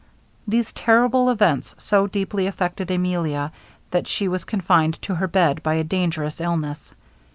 These terrible events so deeply affected Emilia that she was confined to her bed by a dangerous illness.